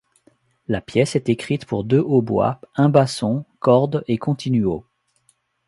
La pièce est écrite pour deux hautbois, un basson, cordes et continuo.